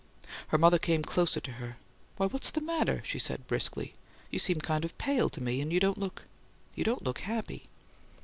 Her mother came closer to her. "Why, what's the matter?" she asked, briskly. "You seem kind of pale, to me; and you don't look you don't look HAPPY."